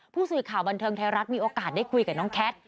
ผู้สื่อข่าวบันเทิงไทยรัฐมีโอกาสได้คุยกับน้องแคท